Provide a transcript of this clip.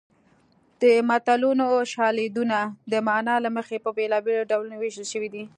د متلونو شالیدونه د مانا له مخې په بېلابېلو ډولونو ویشل شوي دي